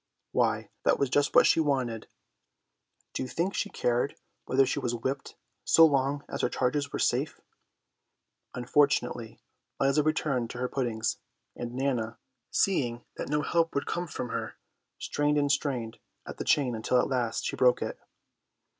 Why, that was just what she wanted. Do you think she cared whether she was whipped so long as her charges were safe? Unfortunately Liza returned to her puddings, and Nana, seeing that no help would come from her, strained and strained at the chain until at last she broke it.